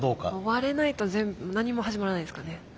割れないと全部何も始まらないですからね。